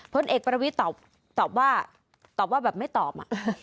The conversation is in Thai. เพราะว่าเอกประวิทย์ตอบว่าแบบไม่ตอบ